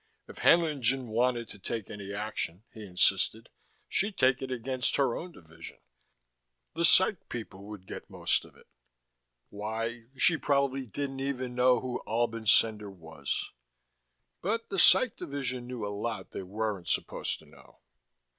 If Haenlingen wanted to take any action, he insisted, she'd take it against her own division. The Psych people would get most of it. Why, she probably didn't even know who Albin Cendar was.... But the Psych division knew a lot they weren't supposed to know.